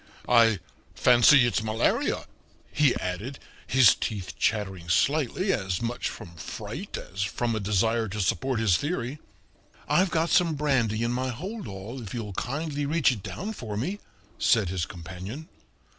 "I fancy it's malaria," he added, his teeth chattering slightly, as much from fright as from a desire to support his theory. "I've got some brandy in my holdall, if you'll kindly reach it down for me," said his companion.